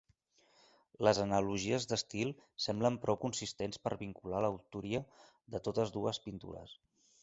Les analogies d'estil semblen prou consistents per vincular l'autoria de totes dues pintures.